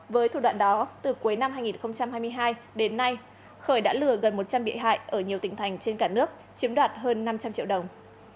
với thủ đoạn đó từ cuối năm hai nghìn hai mươi hai đến nay khởi đã lừa gần một trăm linh bị hại ở nhiều tỉnh thành trên cả nước chiếm đoạt hơn năm trăm linh triệu đồng